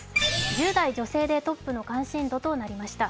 １０代女性でトップの関心度となりました。